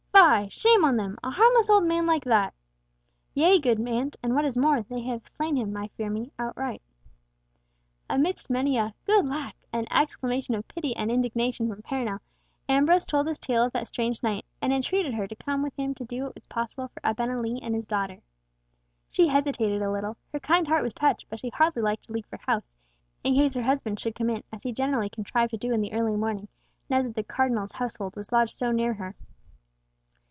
Fie! Shame on them!—a harmless old man like that." "Yea, good aunt, and what is more, they have slain him, I fear me, outright." Amidst many a "good lack" and exclamation of pity and indignation from Perronel, Ambrose told his tale of that strange night, and entreated her to come with him to do what was possible for Abenali and his daughter. She hesitated a little; her kind heart was touched, but she hardly liked to leave her house, in case her husband should come in, as he generally contrived to do in the early morning, now that the Cardinal's household was lodged so near her.